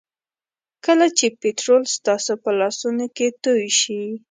کله چې پټرول ستاسو په لاسونو کې توی شي.